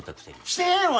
してへんわ！